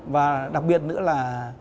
và đặc biệt nữa là